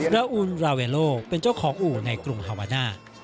ราอูลราเวโลเป็นเจ้าของอู่ในกรุงฮาวาน่า